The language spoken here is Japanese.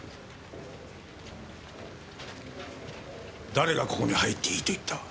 誰がここに入っていいと言った？